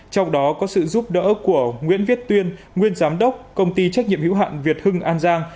trong đó có sự giúp đỡ của nguyễn viết tuyên nguyên giám đốc công ty trách nhiệm hữu hạn việt hưng an giang